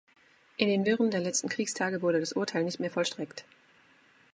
In den Wirren der letzten Kriegstage wurde das Urteil nicht mehr vollstreckt.